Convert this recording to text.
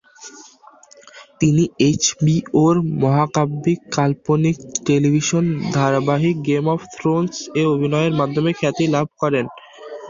তিনি এইচবিওর মহাকাব্যিক কাল্পনিক টেলিভিশন ধারাবাহিক "গেম অব থ্রোনস"-এ অভিনয়ের মাধ্যমে খ্যাতি লাভ করেন।